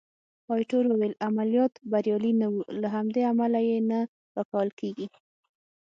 ایټور وویل: عملیات بریالي نه وو، له همدې امله یې نه راکول کېږي.